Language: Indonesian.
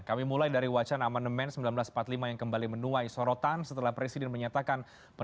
kami mulai dari wacana amandemen seribu sembilan ratus empat puluh lima yang kembali menuai sorotan setelah presiden menyatakan